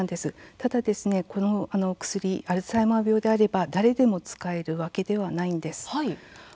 ただこの薬アルツハイマー病であれば誰でも使えるわけではないんです。